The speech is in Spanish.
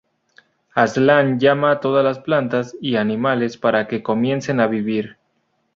Aslan llama a todas las plantas y animales para que comiencen a vivir.